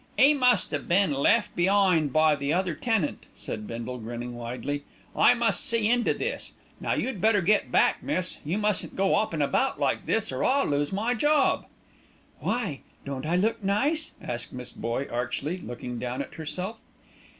"'E must 'ave been left be'ind by the other tenant," said Bindle, grinning widely. "I must see into this. Now you'd better get back, miss. You mustn't go 'opping about like this, or I'll lose my job." "Why! Don't I look nice?" asked Miss Boye archly, looking down at herself.